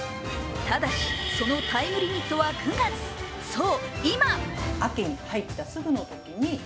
ただし、そのタイムリミットは９月、そう、今！